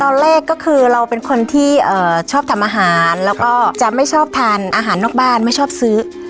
แรกก็คือเราเป็นคนที่ชอบทำอาหารแล้วก็จะไม่ชอบทานอาหารนอกบ้านไม่ชอบซื้อ